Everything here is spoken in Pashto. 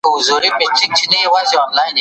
جهانی به له بهاره د سیلیو لښکر یوسي